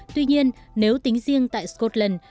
tuy nhiên nếu tính riêng tại scotland